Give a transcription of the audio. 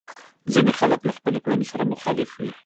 ځينې خلک له خپلو کړنو سره مخالف وي.